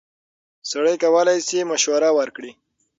سړی کولی شي مشوره ورکړي.